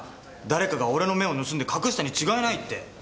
誰かが俺の目を盗んで隠したに違いないって。